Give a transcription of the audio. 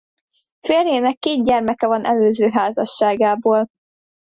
Férjének két gyermeke van előző házasságából.